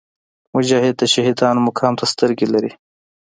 مجاهد د شهیدانو مقام ته سترګې لري.